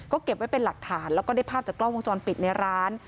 ก็เก็บไว้เป็นหลักฐานแล้วก็ได้ภาพจากกล้องวงจรปิดในร้าน